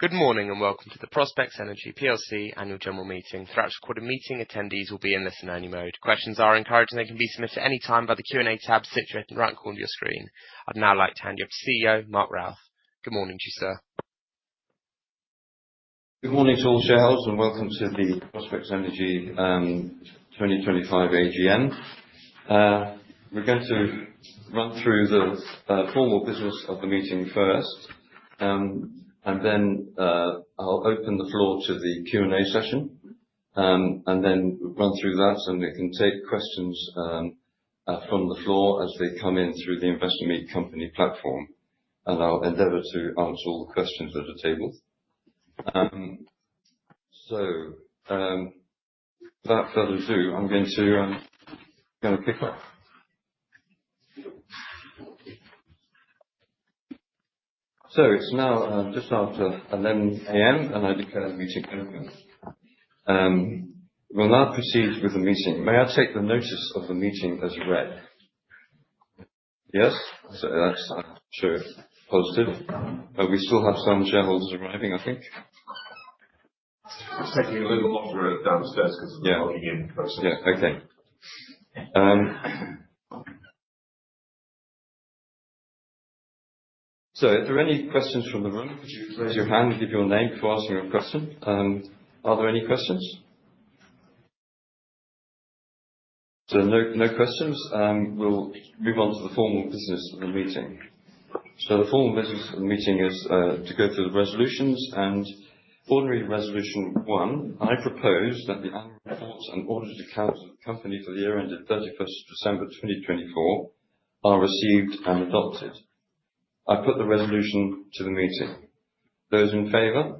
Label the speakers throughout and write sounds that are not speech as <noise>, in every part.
Speaker 1: Good morning, and welcome to the Prospex Energy PLC Annual General Meeting. Throughout this recorded meeting, attendees will be in listen-only mode. Questions are encouraged, and they can be submitted at any time via the Q&A tab situated in the right corner of your screen. I'd now like to hand over to CEO, Mark Routh. Good morning to you, sir.
Speaker 2: Good morning to all shareholders, and welcome to the Prospex Energy 2025 AGM. We're going to run through this formal business of the meeting first, and then I'll open the floor to the Q&A session and then run through that, and we can take questions from the floor as they come in through the Investor Meet Company platform. I'll endeavor to answer all the questions that are tabled. Without further ado, I'm going to. <audio distortion> It's now just after 11:00 A.M., and I declare the meeting open. We'll now proceed with the meeting. May I take the notice of the meeting as read? Yes, so that's [actually] positive. We still have some shareholders arriving, I think.
Speaker 3: I'm taking a little longer downstairs because of the logging in process.
Speaker 2: Yeah, okay. If there are any questions from the room, could you raise your hand and give your name before asking your question? Are there any questions? So no questions. We'll move on to the formal business of the meeting. The formal business of the meeting is to go through the resolutions. Ordinary Resolution 1, I propose that the annual reports and audited accounts of the company for the year ended 31st December 2024 are received and adopted. I put the resolution to the meeting. Those in favour?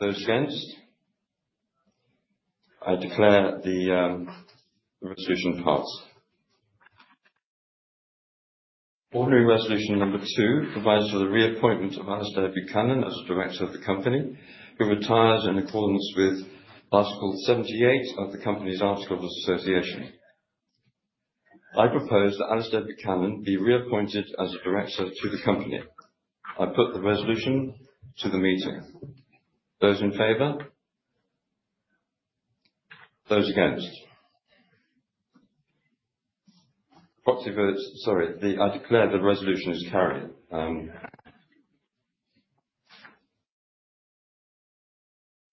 Speaker 2: Those against? I declare the resolution passed. Ordinary Resolution 2 provides for the reappointment of Alasdair Buchanan as the director of the company, who retires in accordance with Article 78 of the company's articles of association. I propose that Alasdair Buchanan be reappointed as the director to the company. I put the resolution to the meeting. Those in favour? Those against? Sorry, I declare the resolution is carried.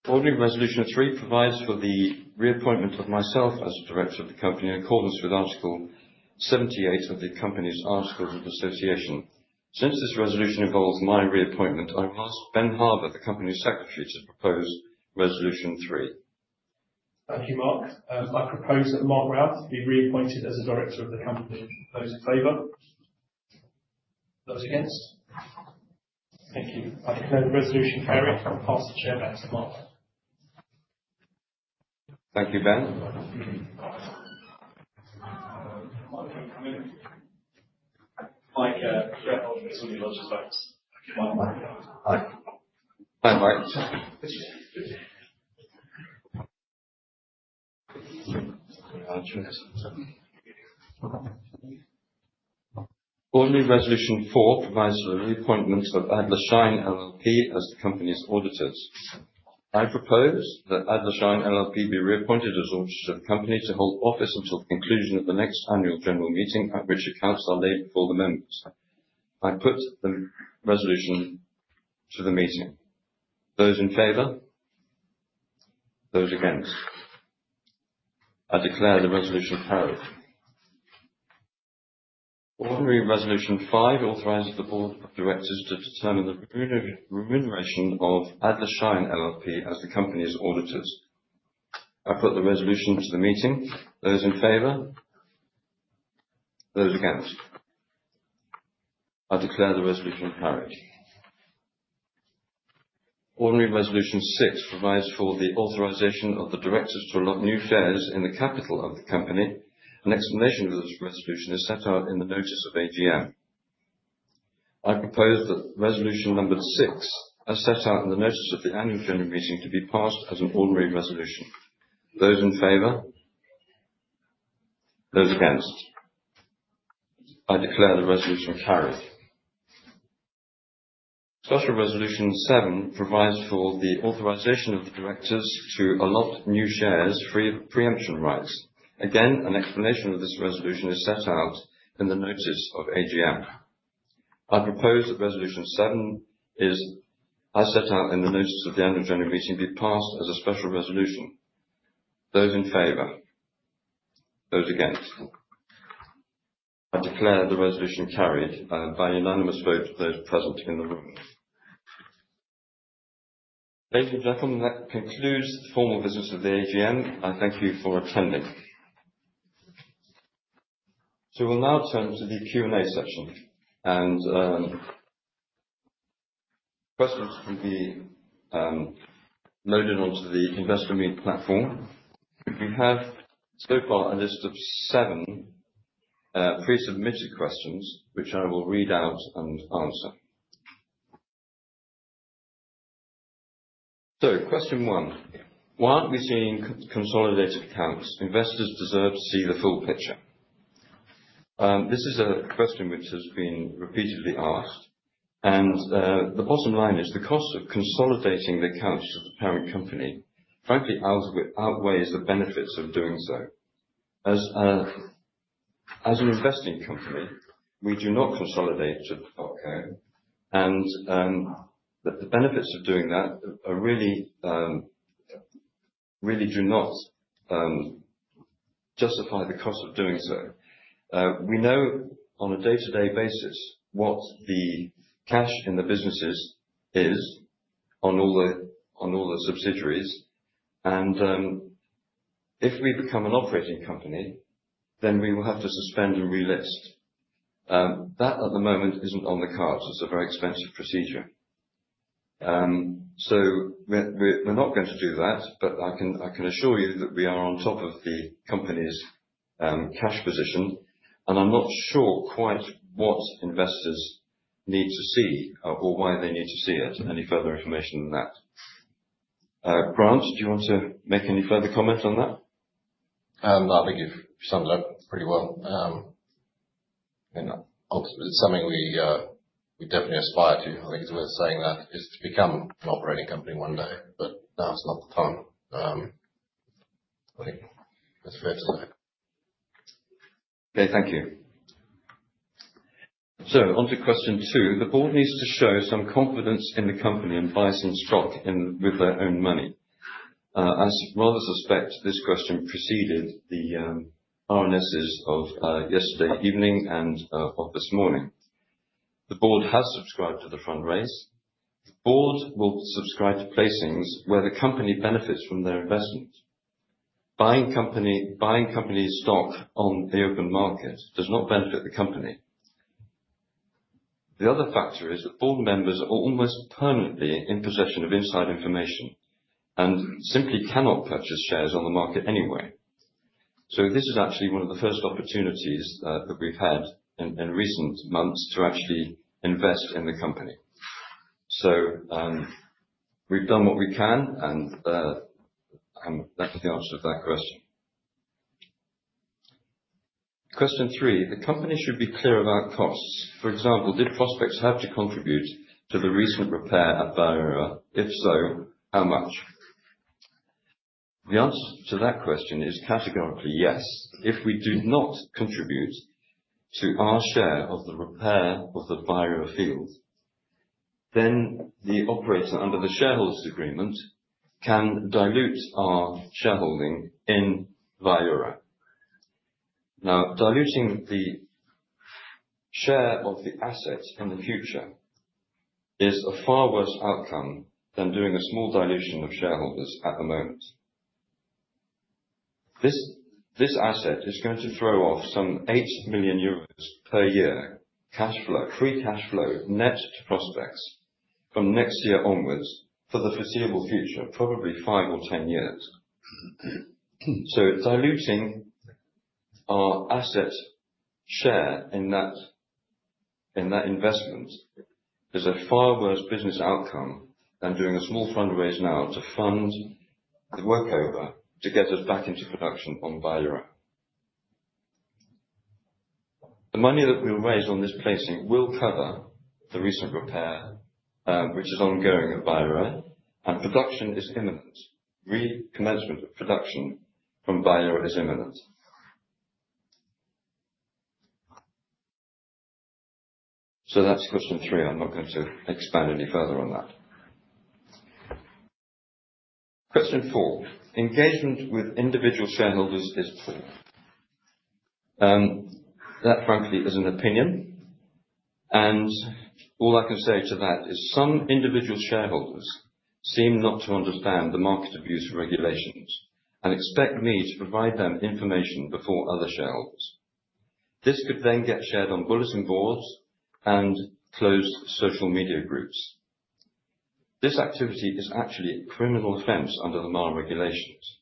Speaker 2: Ordinary Resolution 3 provides for the reappointment of myself as the director of the company in accordance with Article 78 of the company's articles of association. Since this resolution involves my reappointment, I will ask Ben Harber, the company's secretary, to propose Resolution 3.
Speaker 3: Thank you, Mark. I propose that Mark Routh be reappointed as the director of the company. Those in favour? Those against? Thank you. I declare the resolution carried and pass the chair back to Mark.
Speaker 2: Thank you, Ben. <audio distortion>
Speaker 3: Hi.
Speaker 2: <audio distortion> Ordinary Resolution 4 provides for the reappointment of Adler Shine LLP as the company's auditors. I propose that Adler Shine LLP be reappointed as the auditor of the company, to hold office until the conclusion of the next annual general meeting at which accounts are laid before the members. I put the resolution to the meeting. Those in favor? Those against? I declare the resolution carried. Ordinary Resolution 5 authorizes the board of directors to determine the remuneration of Adler Shine LLP as the company's auditors. I put the resolution to the meeting. Those in favor? Those against? I declare the resolution carried. Ordinary Resolution 6 provides for the authorization of the directors to allot new shares in the capital of the company. An explanation for this resolution is set out in the notice of AGM. I propose that Resolution 6, as set out in the notice of the Annual General Meeting, to be passed as an ordinary resolution. Those in favor? Those against? I declare the resolution carried. Special Resolution 7 provides for the authorization of the directors, to allot new shares free of preemption rights. Again, an explanation for this resolution is set out in the notice of AGM. I propose that Resolution 7, as set out in the notice of the Annual General Meeting, be passed as a special resolution. Those in favor? Those against? I declare the resolution carried by unanimous vote of those present in the room. Ladies and gentlemen, that concludes the formal business of the AGM. I thank you for attending, so we'll now turn to the Q&A section. Questions can be loaded onto the Investor Meet platform. We have so far a list of seven pre-submitted questions, which I will read out and answer. Question one, why aren't we seeing consolidated accounts? Investors deserve to see the full picture. This is a question which has been repeatedly asked, and the bottom line is the cost of consolidating the accounts of the parent company frankly outweighs the benefits of doing so. As an investing company, we do not consolidate to the [portfolio], and the benefits of doing that really do not justify the cost of doing so. We know on a day-to-day basis what the cash in the businesses is on all the subsidiaries. If we become an operating company, then we will have to suspend and relist. That at the moment isn't on the cards. It's a very expensive procedure. We're not going to do that, but I can assure you that we are on top of the company's cash position. I'm not sure quite what investors need to see or why they need to see it, any further information than that. Brant, do you want to make any further comment on that? I think you've summed it up pretty well. It's something we definitely aspire to. I think it's worth saying that, it's to become an operating company one day, but now's not the time. I think that's fair to say. Okay, thank you. On to question two, the board needs to show some confidence in the company and buy some stock with their own money. I rather suspect this question preceded the RNSs of yesterday evening and of this morning. The board has subscribed to the fundraise. The board will subscribe to placings where the company benefits from their investment. Buying company stock on the open market does not benefit the company. The other factor is that board members are almost permanently in possession of inside information, and simply cannot purchase shares on the market anyway. This is actually one of the first opportunities that we've had in recent months, to actually invest in the company. We've done what we can, and that's the answer to that question. Question three, the company should be clear about costs. For example, did Prospex have to contribute to the recent repair at Viura? If so, how much? The answer to that question is categorically yes. If we do not contribute to our share of the repair of the Viura field, then the operator under the shareholders' agreement can dilute our shareholding in Viura. Now, diluting the share of the asset in the future is a far worse outcome than doing a small dilution of shareholders at the moment. This asset is going to throw off some 8 million euros per year free cash flow, net to Prospex from next year onwards for the foreseeable future, probably five or 10 years. Diluting our asset share in that investment is a far worse business outcome than doing a small fundraise now to fund the workover, to get us back into production on Viura. The money that we'll raise on this placing will cover the recent repair, which is ongoing at Viura, and production is imminent. Recommencement of production from Viura is imminent. That's question three. I'm not going to expand any further on that. Question four, engagement with individual shareholders is [poor]. That frankly is an opinion. All I can say to that is some individual shareholders seem not to understand the Market Abuse Regulations, and expect me to provide them information before other shareholders. This could then get shared on bulletin boards and closed social media groups. This activity is actually a criminal offense under the MAR regulations.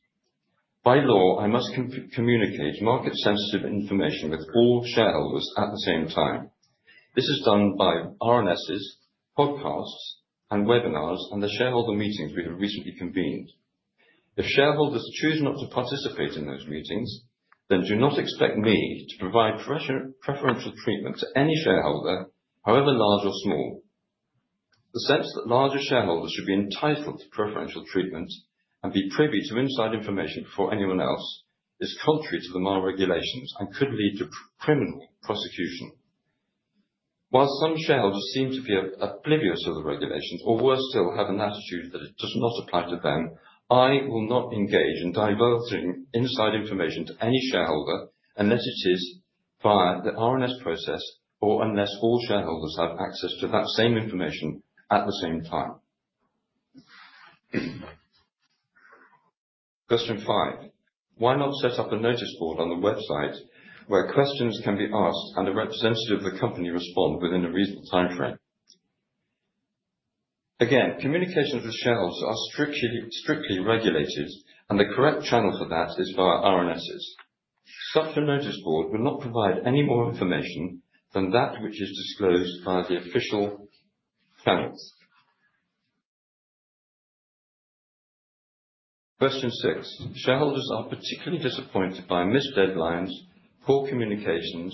Speaker 2: By law, I must communicate market-sensitive information with all shareholders at the same time. This is done by RNSs, podcasts, and webinars, and the shareholder meetings we have recently convened. If shareholders choose not to participate in those meetings, then do not expect me to provide preferential treatment to any shareholder however large or small. The sense that larger shareholders should be entitled to preferential treatment and be privy to inside information before anyone else, is contrary to the MAR regulations and could lead to criminal prosecution. While some shareholders seem to be oblivious to the regulations, or worse still, have an attitude that it does not apply to them, I will not engage in divulging inside information to any shareholder unless it is via the RNS process, or unless all shareholders have access to that same information at the same time. Question five, why not set up a notice board on the website where questions can be asked and a representative of the company respond within a reasonable timeframe? Again, communications with shareholders are strictly regulated, and the correct channel for that is via RNSs. Such a notice board will not provide any more information than that which is disclosed via the official channels. Question six, shareholders are particularly disappointed by missed deadlines, poor communications.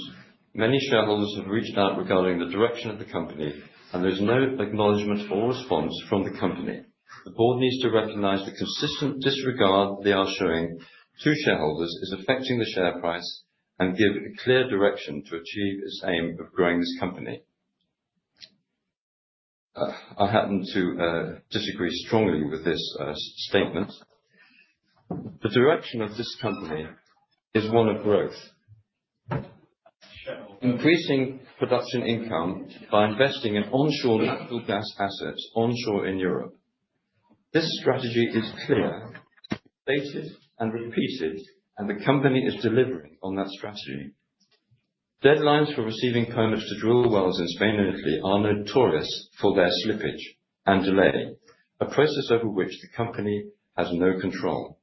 Speaker 2: Many shareholders have reached out regarding the direction of the company, and there's no acknowledgement or response from the company. The board needs to recognize the consistent disregard they are showing to shareholders is affecting the share price, and give a clear direction to achieve its aim of growing this company. I happen to disagree strongly with this statement. The direction of this company is one of growth, increasing production income by investing in onshore natural gas assets, onshore in Europe. This strategy is clear, stated, and repeated, and the company is delivering on that strategy. Deadlines for receiving permits to drill wells in Spain and Italy are notorious for their slippage and delay, a process over which the company has no control.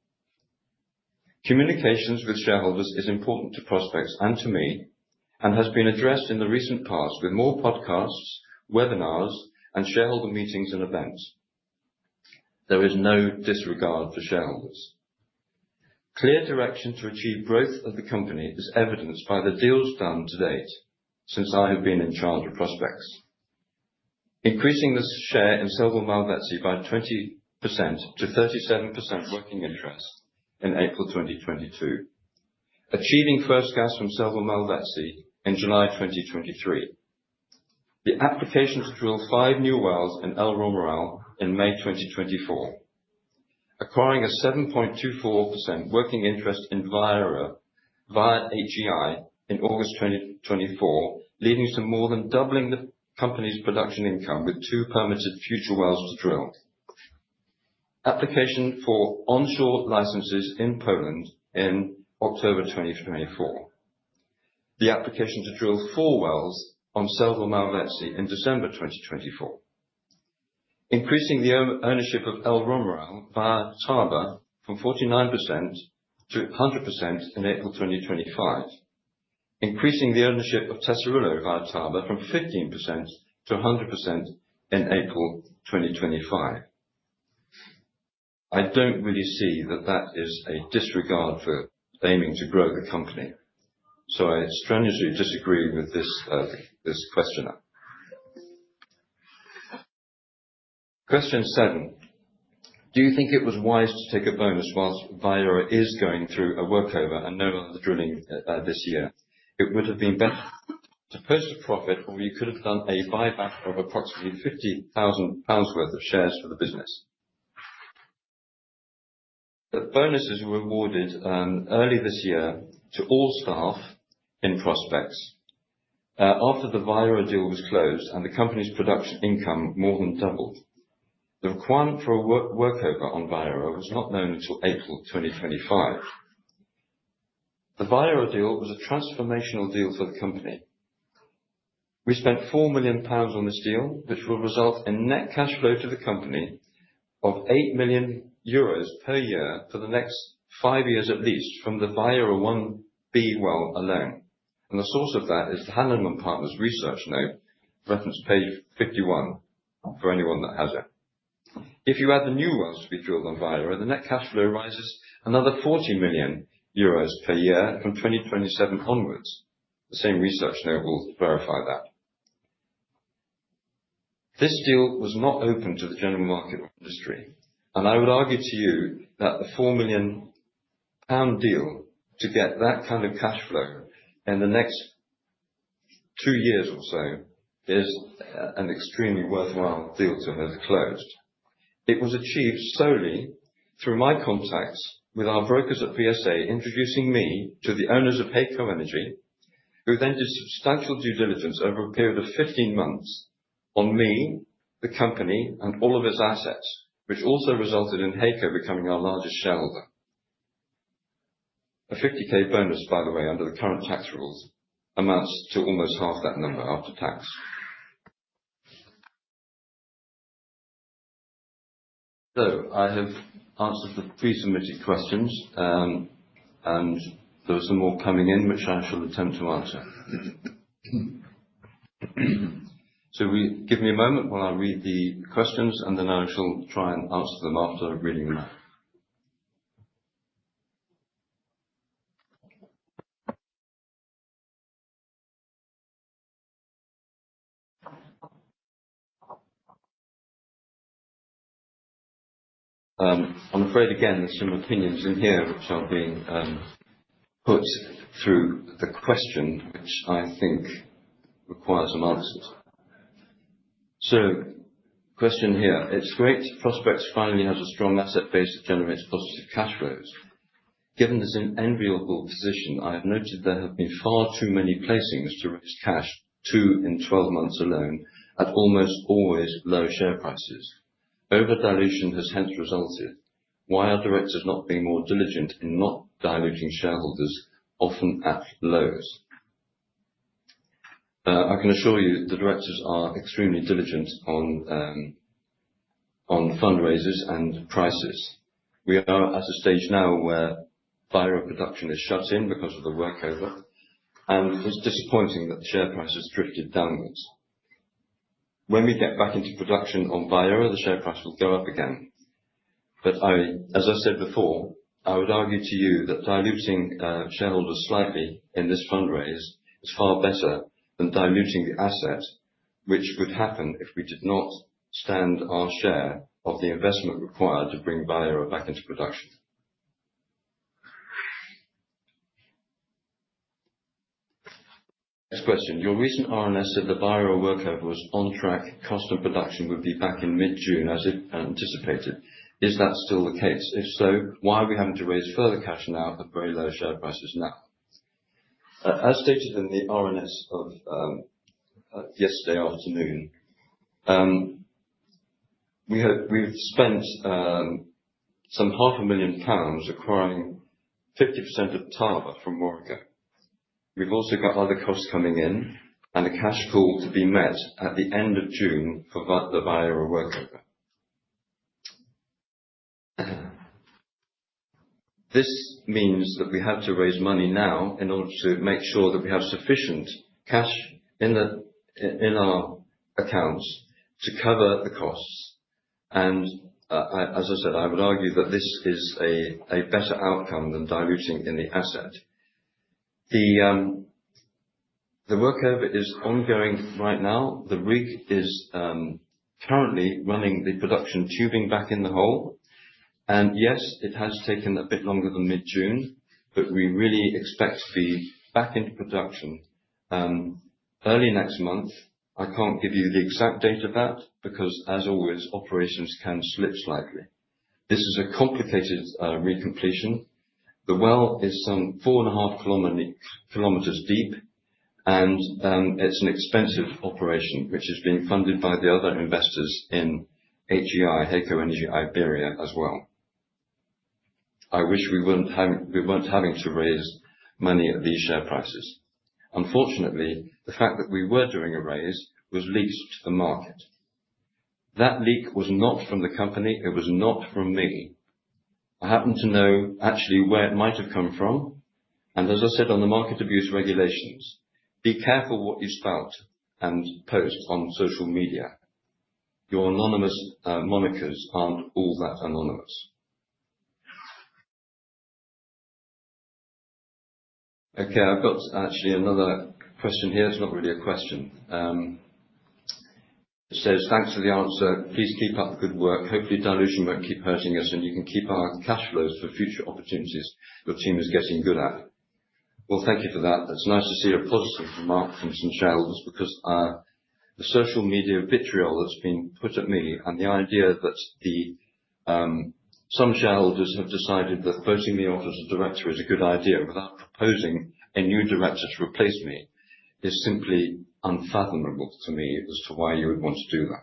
Speaker 2: Communications with shareholders is important to Prospex and to me, and has been addressed in the recent past with more podcasts, webinars, and shareholder meetings and events. There is no disregard for shareholders. Clear direction to achieve growth of the company is evidenced by the deals done to date, since I have been in charge of Prospex, increasing the share in Selva Malvezzi by 20% to 37% working interest in April 2022, achieving first gas from Selva Malvezzi in July 2023. The application to drill five new wells in El Romeral in May 2024, acquiring a 7.24% working interest in Viura via HEI in August 2024, leading to more than doubling the company's production income with two permitted future wells to drill. Application for onshore licenses in Poland in October 2024, the application to drill four wells on Selva Malvezzi in December 2024. Increasing the ownership of El Romeral via Tarba from 49% to 100% in April 2025. Increasing the ownership of Tesorillo via Tarba from 15% to 100% in April 2025. I don't really see that that is a disregard for aiming to grow the company, so I strangely disagree with this questioner. Question seven, do you think it was wise to take a bonus while Viura is going through a workover and no other drilling this year? It would have been better to post a profit, or you could have done a buyback of approximately £50,000 worth of shares for the business. The bonus is rewarded early this year to all staff in Prospex after the Viura deal was closed, and the company's production income more than doubled. The requirement for a workover on Viura was not known until April 2025. The Viura deal was a transformational deal for the company. We spent 4 million pounds on this deal, which will result in net cash flow to the company of 8 million euros per year for the next five years at least from the Viura-1B well alone. The source of that is the Hannam & Partners research note, reference page 51, for anyone that has it. If you add the new wells to be drilled on Viura, the net cash flow rises another 40 million euros per year from 2027 onwards. The same research note will verify that. This deal was not open to the general market or industry. I would argue to you that the 4 million pound deal to get that kind of cash flow in the next two years or so is an extremely worthwhile deal to have closed. It was achieved solely through my contacts with our brokers at PSA, introducing me to the owners of Heyco Energy, who then did substantial due diligence over a period of 15 months on me, the company, and all of its assets, which also resulted in Heyco becoming our largest shareholder. A 50,000 bonus, by the way, under the current tax rules amounts to almost half that number after tax. I have answered the pre-submitted questions, and there are some more coming in, which I shall attempt to answer. Give me a moment while I read the questions, and then I shall try and answer them after reading them out. I'm afraid again there's some opinions in here which are being put through the question, which I think requires some answers. A question here, it's great Prospex finally has a strong asset base that generates positive cash flows. Given this enviable position, I have noted there have been far too many placings to raise cash two in 12 months alone at almost always low share prices. Over-dilution has hence resulted. Why are directors not being more diligent in not diluting shareholders often at lows? I can assure you the directors are extremely diligent on fundraisers and prices. We are at a stage now where Viura production is shut in because of the workover, and it's disappointing that the share price has drifted downwards. When we get back into production on Viura, the share price will go up again. As I said before, I would argue to you that diluting shareholders slightly in this fundraise is far better than diluting the asset, which would happen if we did not stand our share of the investment required to bring Viura back into production. Next question, your recent RNS said the Viura workover was on track, cost of production would be back in mid-June as anticipated. Is that still the case? If so, why are we having to raise further cash now at very low share prices now? As stated in the RNS of yesterday afternoon, we've spent some 500,000 pounds acquiring 50% of Tarba from. <audio distortion> We've also got other costs coming in, and a cash call to be met at the end of June for the Viura workover. This means that we have to raise money now in order to make sure that we have sufficient cash in our accounts to cover the costs. As I said, I would argue that this is a better outcome than diluting in the asset. The workover is ongoing right now. The rig is currently running the production tubing back in the hole. Yes, it has taken a bit longer than mid-June, but we really expect to be back into production early next month. I can't give you the exact date of that because as always, operations can slip slightly. This is a complicated recompletion. The well is some 4.5 km deep, and it's an expensive operation, which is being funded by the other investors in HEI, Heyco Energy Iberia as well. I wish we weren't having to raise money at these share prices. Unfortunately, the fact that we were doing a raise was leaked to the market. That leak was not from the company. It was not from me. I happen to know actually where it might have come from. As I said on the market abuse regulations, be careful what you spout and post on social media. Your anonymous monikers aren't all that anonymous. Okay, I've got actually another question here. It's not really a question. It says, "Thanks for the answer. Please keep up the good work. Hopefully, dilution won't keep hurting us, and you can keep our cash flows for future opportunities. Your team is getting good at it." Thank you for that. It's nice to see a positive remark from some shareholders, because the social media vitriol that's been put at me, and the idea that some shareholders have decided that quoting me off as a director is a good idea without proposing a new director to replace me, is simply unfathomable to me as to why you would want to do that.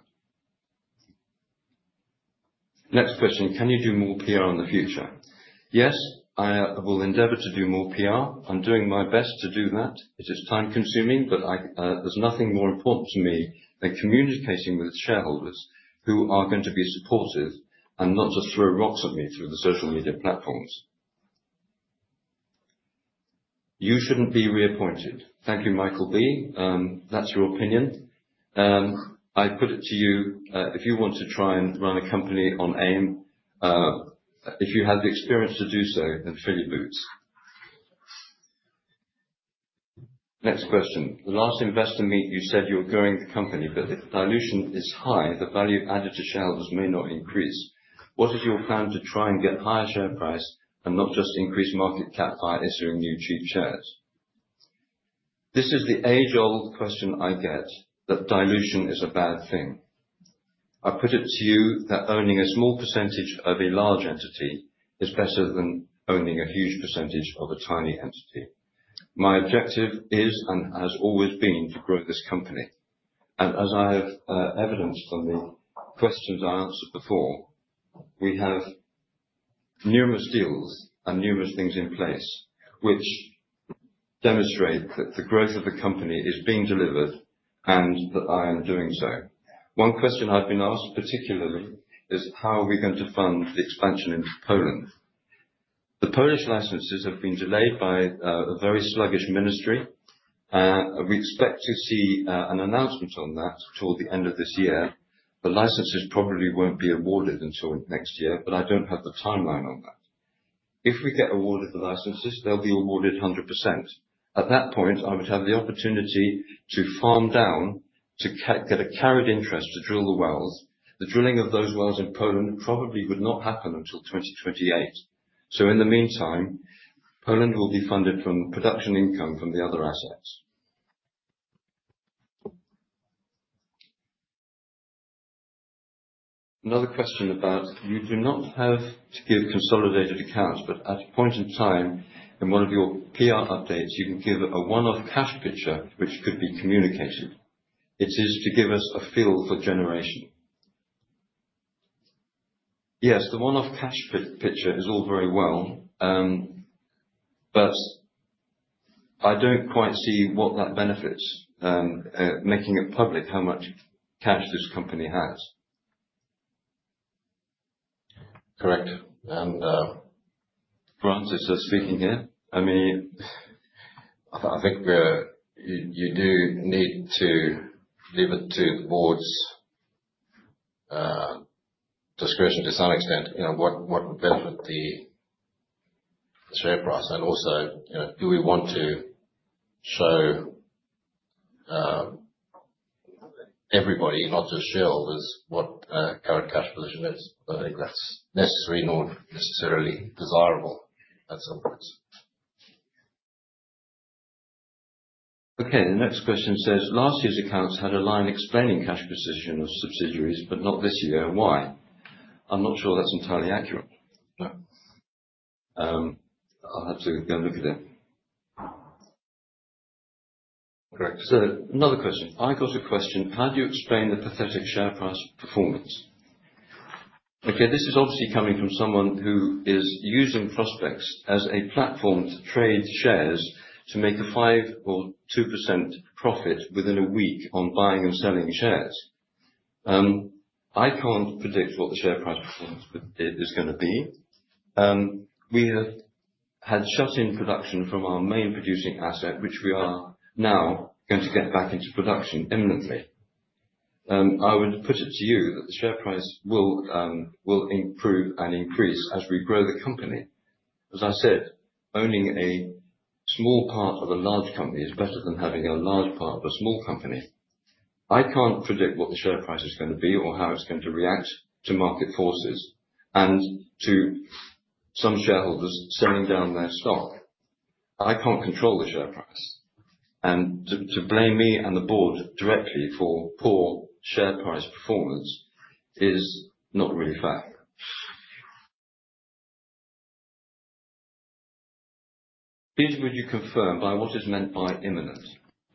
Speaker 2: Next question, can you do more PR in the future? Yes, I will endeavor to do more PR. I'm doing my best to do that. It is time-consuming, but there's nothing more important to me than communicating with shareholders, who are going to be supportive and not just throw rocks at me through the social media platforms. You shouldn't be reappointed. Thank you, Michael V. That's your opinion. I put it to you, if you want to try and run a company on AIM, if you have the experience to do so, then fill your boots. Next question, the last Investor Meet you said you're growing the company, but if dilution is high, the value added to shareholders may not increase. What is your plan to try and get higher share price, and not just increase market cap by issuing new cheap shares? This is the age-old question I get, that dilution is a bad thing. I put it to you that owning a small percentage of a large entity is better than owning a huge percentage of a tiny entity. My objective is and has always been to grow this company. As I have evidenced from the questions I answered before, we have numerous deals and numerous things in place which demonstrate that the growth of the company is being delivered and that I am doing so. One question I've been asked particularly is, how are we going to fund the expansion into Poland? The Polish licenses have been delayed by a very sluggish ministry. We expect to see an announcement on that toward the end of this year. The licenses probably won't be awarded until next year, but I don't have the timeline on that. If we get awarded the licenses, they'll be awarded 100%. At that point, I would have the opportunity to farm down, to get a carried interest to drill the wells. The drilling of those wells in Poland probably would not happen until 2028. In the meantime, Poland will be funded from production income from the other assets. Another question about, you do not have to give consolidated accounts, but at a point in time in one of your PR updates, you can give a one-off cash picture which could be communicated. It is to give us a feel for generation. Yes, the one-off cash picture is all very well, but I don't quite see what that benefits, making it public how much cash this company has. Correct, [Brant] is speaking here. I think you do need to leave it to the board's discretion to some extent, what would benefit the share price. Also, do we want to show everybody, not just shareholders, what current cash position is? I think that's necessary, and not necessarily desirable at some points. Okay, the next question says, last year's accounts had a line explaining cash position of subsidiaries, but not this year. Why? I'm not sure that's entirely accurate. I'll have to go and look at it. [Correct], so another question. I got a question, how do you explain the pathetic share price performance? Okay, this is obviously coming from someone who is using Prospex as a platform to trade shares, to make a 5% or 2% profit within a week on buying and selling shares. I can't predict what the share price performance is going to be. We have had shut-in production from our main producing asset, which we are now going to get back into production imminently. I would put it to you that the share price will improve and increase as we grow the company. As I said, owning a small part of a large company is better than having a large part of a small company. I can't predict what the share price is going to be or how it's going to react to market forces, and to some shareholders selling down their stock. I can't control the share price, and to blame me and the board directly for poor share price performance is not really fair. Please, could you confirm by what is meant by imminent?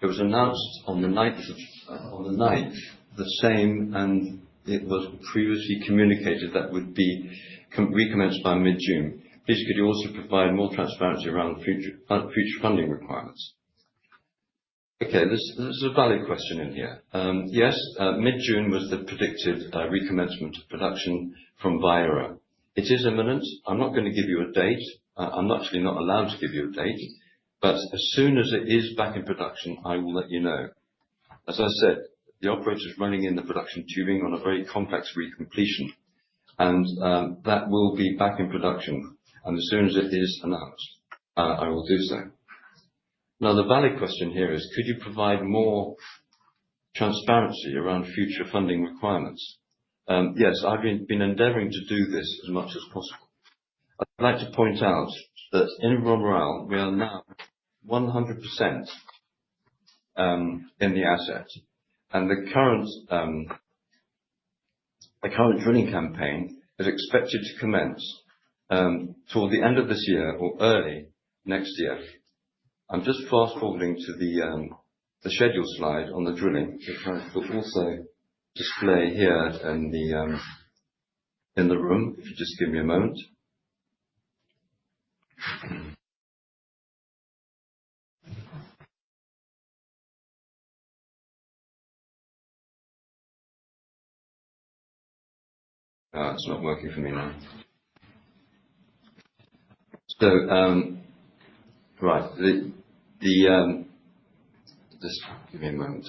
Speaker 2: It was announced on the 9th, the same, and it was previously communicated that would be recommenced by mid-June. Please could you also provide more transparency around future funding requirements? Okay, there's a valid question in here. Yes, mid-June was the predicted recommencement of production from Viura. It is imminent. I'm not going to give you a date. I'm actually not allowed to give you a date, but as soon as it is back in production, I will let you know. As I said, the operator is running in the production tubing on a very complex recompletion, and that will be back in production. As soon as it is announced, I will do so. Now, the valid question here is, could you provide more transparency around future funding requirements? Yes, I've been endeavoring to do this as much as possible. I'd like to point out that in El Romeral, we are now 100% in the asset, and the current drilling campaign is expected to commence toward the end of this year or early next year. I'm just fast-forwarding to the schedule slide on the drilling. It's going to also display here in the room, if you just give me a moment. It's not working for me now. Right, just give me a moment.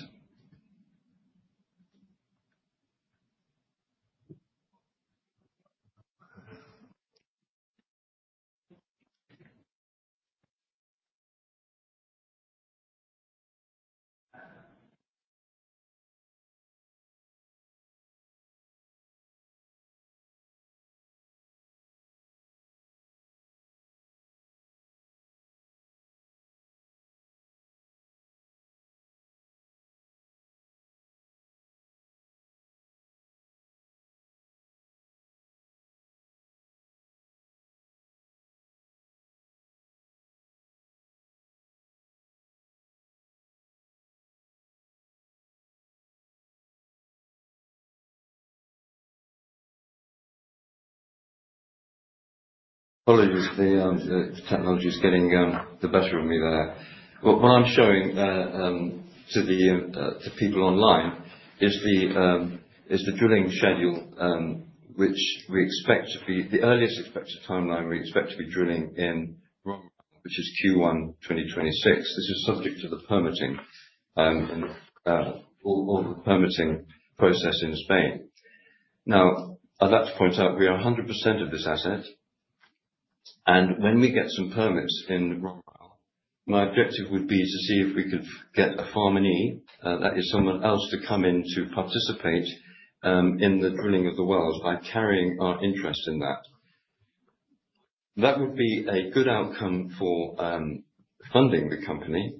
Speaker 2: Probably just the technology is getting the better of me there. What I'm showing to the people online is the drilling schedule, the earliest expected timeline we expect to be drilling in El Romeral, which is Q1 2026. This is subject to the permitting or the permitting process in Spain. Now, I'd like to point out, we are 100% of this asset. When we get some permits in El Romeral, my objective would be to see if we could get a farm-in, that is someone else to come in to participate in the drilling of the wells by carrying our interest in that. That would be a good outcome for funding the company.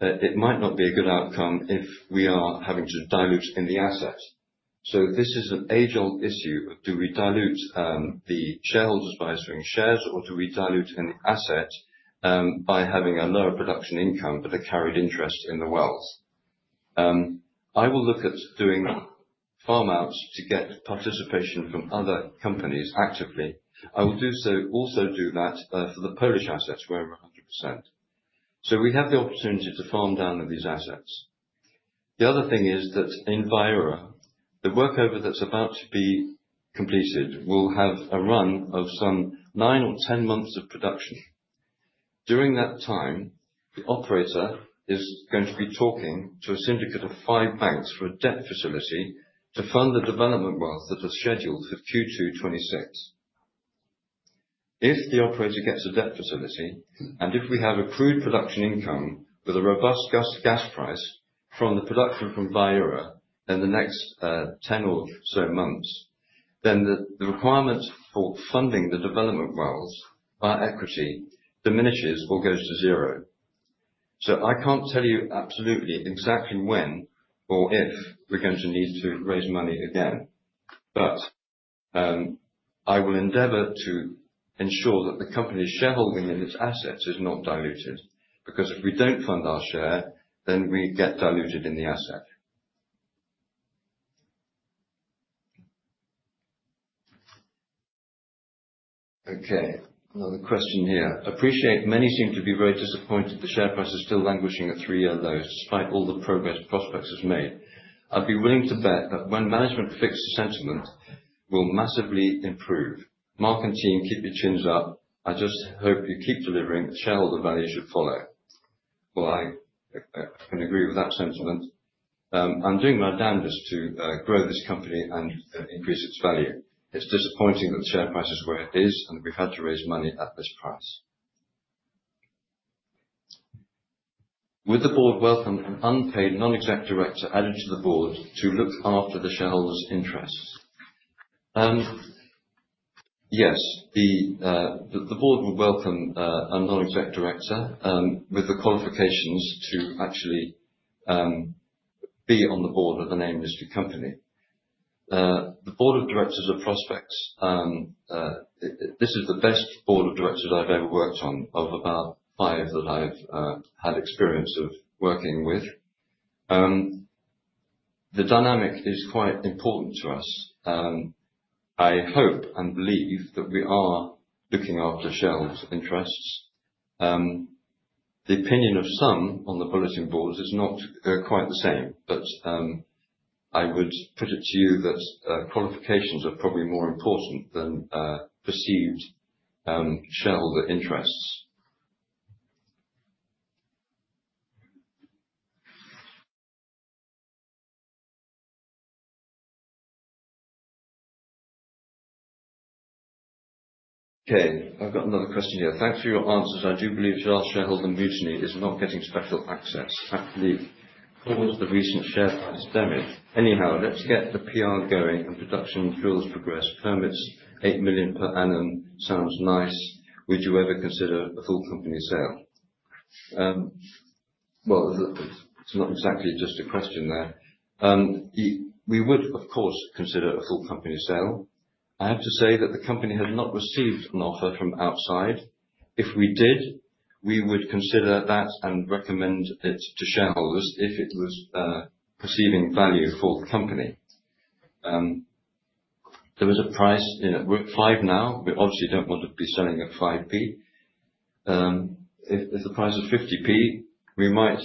Speaker 2: It might not be a good outcome if we are having to dilute in the asset. This is an age-old issue of, do we dilute the shareholders by issuing shares or do we dilute in the asset, by having a lower production income but a carried interest in the wells? I will look at doing farm-outs to get participation from other companies actively. I will also do that for the Polish assets where we're 100%. We have the opportunity to farm down in these assets. The other thing is that in Viura, the workover that's about to be completed will have a run of some nine or 10 months of production. During that time, the operator is going to be talking to a syndicate of five banks for a debt facility, to fund the development wells that are scheduled for Q2 2026. If the operator gets a debt facility, and if we have accrued production income with a robust gas price from the production from Viura in the next 10 or so months, then the requirement for funding the development wells by equity diminishes or goes to zero. I can't tell you absolutely exactly when or if we're going to need to raise money again, but I will endeavor to ensure that the company's shareholding in its assets is not diluted, because if we don't fund our share, then we get diluted in the asset. Okay, another question here. I appreciate many seem to be very disappointed, the share price is still languishing at three-year lows despite all the progress Prospex has made. I'd be willing to bet that when management fixes sentiment, it will massively improve. Mark and team, keep your chins up. I just hope you keep delivering the shareholder values you follow. I can agree with that sentiment. I'm doing my damnedest to grow this company and increase its value. It's disappointing that the share price is where it is, and we've had to raise money at this price. Would the board welcome an unpaid, non-exec director added to the board to look after the shareholders' interests? Yes, the board would welcome a non-exec director, with the qualifications to actually be on the board of the AIM-listed company. The board of directors of Prospex, this is the best board of directors I've ever worked on, of about five that I've had experience of working with. The dynamic is quite important to us. I hope and believe that we are looking after shareholders' interests. The opinion of some on the bulletin boards is not quite the same, but I would put it to you that qualifications are probably more important than perceived shareholder interests. Okay, I've got another question here. Thanks for your answers. I do believe <audio distortion> is not getting special access. Actually, caused the recent share price damage. Anyhow, let's get the PR going and production drills progress permits, eight million per annum sounds nice. Would you ever consider a full company sale? It's not exactly just a question there. We would of course consider a full company sale. I have to say that the company has not received an offer from outside. If we did, we would consider that and recommend it to shareholders if it was perceiving value for the company. There was a price at what? 5 now. We obviously don't want to be selling at 5p. If the price is 50p, we might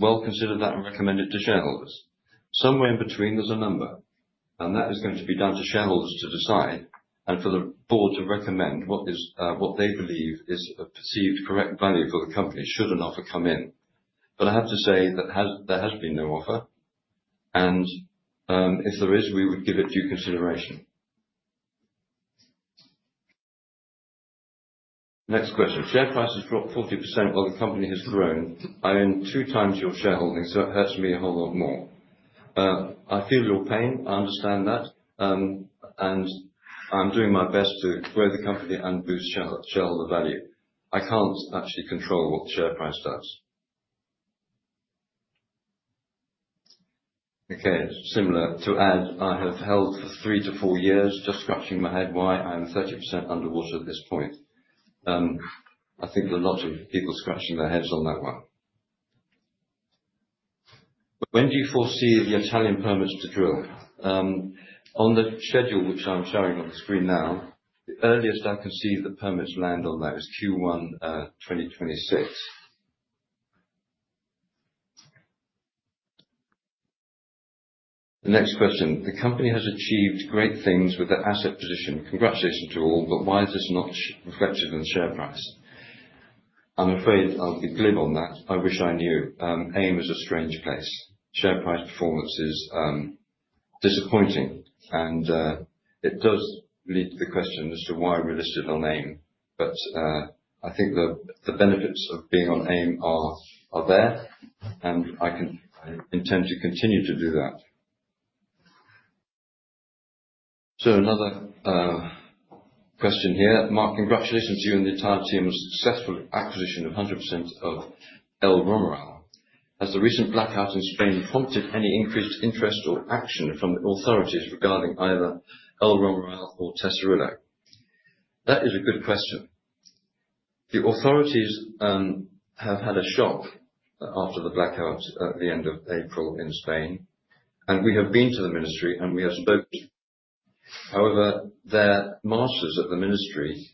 Speaker 2: well consider that and recommend it to shareholders. Somewhere in between, there's a number, and that is going to be down to shareholders to decide and for the board to recommend what they believe is a perceived correct value for the company, should an offer come in. I have to say that there has been no offer, and if there is, we would give it due consideration. Next question. Share price has dropped 40% while the company has grown. I own 2x your shareholding, so it hurts me a whole lot more. I feel your pain. I understand that, and I'm doing my best to grow the company and boost shareholder value. I can't actually control what the share price does. Okay, similar to Ed, I have held for three to four years, just scratching my head why I am 30% underwater at this point. I think there are lots of people scratching their heads on that one. When do you foresee the Italian permit is to drill? On the schedule which I'm showing on the screen now, the earliest I can see the permits land on that is Q1 2026. The next question. The company has achieved great things with the asset position. Congratulations to all, but why is this not reflected in the share price? I'm afraid I'll be glib on that. I wish I knew. AIM is a strange place. Share price performance is disappointing. It does lead to the question as to why we're listed on AIM, but I think the benefits of being on AIM are there and I intend to continue to do that. Another question here. Mark, congratulations to you and the entire team on the successful acquisition of 100% of El Romeral. Has the recent blackout in Spain prompted any increased interest or action from the authorities regarding either El Romeral or Tesorillo? That is a good question. The authorities have had a shock after the blackout at the end of April in Spain, and we have been to the ministry and we have spoken. However, the masters at the ministry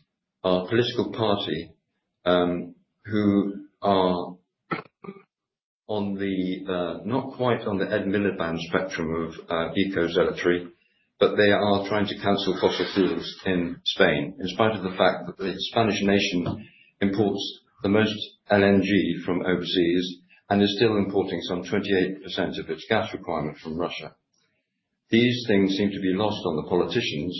Speaker 2: are a political party who are not quite on the Ed Miliband spectrum of eco-zealotry, but they are trying to cancel fossil fuels in Spain, in spite of the fact that the Spanish nation imports the most LNG from overseas and is still importing some 28% of its gas requirement from Russia. These things seem to be lost on the politicians.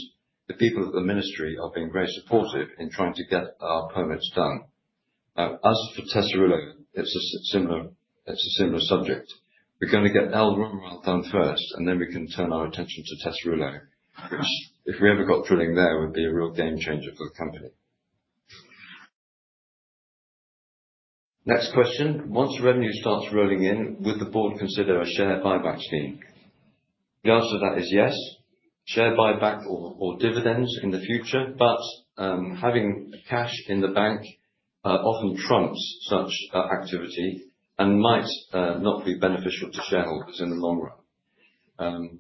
Speaker 2: The people at the ministry are being very supportive in trying to get our permits done. As for Tesorillo, it's a similar subject. We're going to get El Romeral done first, and then we can turn our attention to Tesorillo, which if we ever got drilling there, would be a real game changer for the company. Next question, once revenue starts rolling in, would the board consider a share buyback scheme? The answer to that is yes, share buyback or dividends in the future, but having cash in the bank often trumps such activity and might not be beneficial to shareholders in the long run.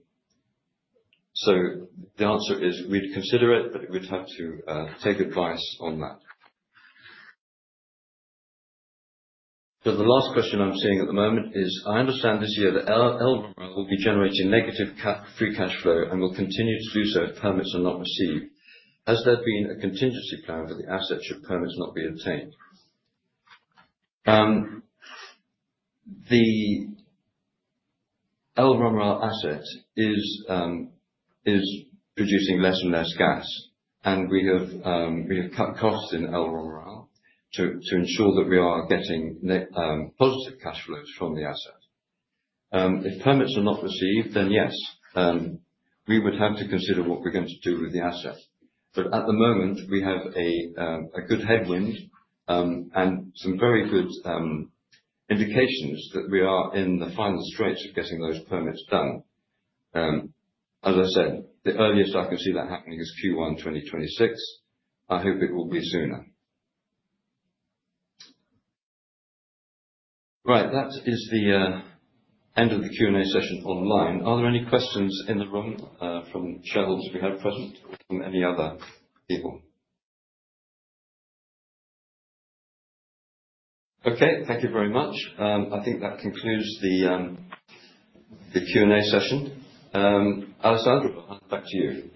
Speaker 2: The answer is we'd consider it, but we'd have to take advice on that. The last question I'm seeing at the moment is, I understand this year that El Romeral will be generating negative free cash flow and will continue to do so if permits are not received. Has there been a contingency plan for the asset should permits not be obtained? The El Romeral asset is producing less and less gas, and we have cut costs in El Romeral to ensure that we are getting positive cash flows from the asset. If permits are not received, then yes, we would have to consider what we're going to do with the asset. At the moment, we have a good headwind and some very good indications that we are in the final straits of getting those permits done. As I said, the earliest I can see that happening is Q1 2026. I hope it will be sooner. Right, that is the end of the Q&A session online. Are there any questions in the room from shareholders we have present or from any other people? Okay, thank you very much. I think that concludes the Q&A session. Alessandro, I'll hand it back to you.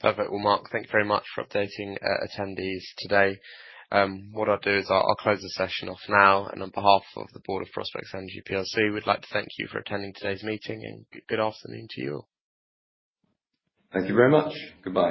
Speaker 1: Perfect. Mark, thank you very much for updating attendees today. What I'll do is I'll close the session off now. On behalf of the board of Prospex Energy PLC, we'd like to thank you for attending today's meeting and good afternoon to you all.
Speaker 2: Thank you very much. Goodbye.